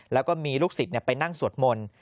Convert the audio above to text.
แล้วก็มีลูกศิษย์ไปนั่งสวดมนต์